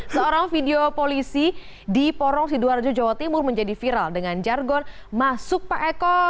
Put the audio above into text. seorang video polisi di porong sidoarjo jawa timur menjadi viral dengan jargon masuk pak eko